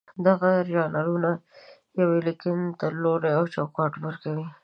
دغه ژانرونه یوې لیکنې ته لوری او چوکاټ ورکوي.